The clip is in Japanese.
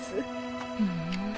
ふん。